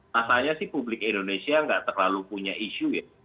masalahnya sih publik indonesia nggak terlalu punya isu ya